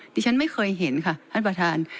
ดิฉันไม่เคยเห็นค่ะท่านประธาน